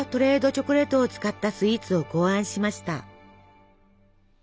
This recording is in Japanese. チョコレートを使ったスイーツを考案しました。